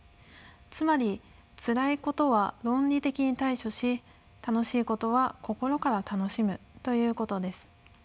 つまりつらいことは論理的に対処し楽しいことは心から楽しむということです。